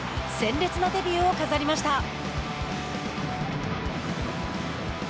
鮮烈なデビューを飾りました。